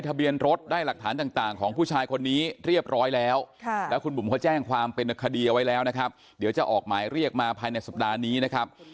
เป็นคดีเอาไว้แล้วนะครับเดี๋ยวจะออกหมายเรียกมาภายในสัปดาห์นี้นะครับ